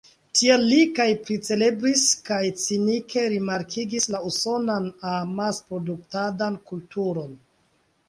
Tiel li kaj pricelebris kaj cinike rimarkigis la usonan amasproduktadan kulturon.